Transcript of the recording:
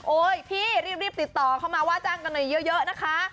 พี่รีบติดต่อเข้ามาว่าจ้างกันหน่อยเยอะนะคะ